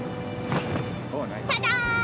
タターン。